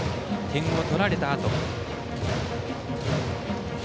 点を取られたあと。